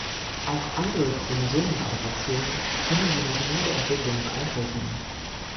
Auch andere Chromosomenaberrationen können die neuronale Entwicklung beeinträchtigen.